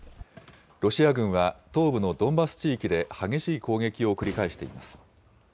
ロシア軍は、東部のドンバス地域で激しい攻撃を繰り返しています。